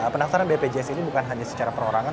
pendaftaran bpjs ini bukan hanya secara perorangan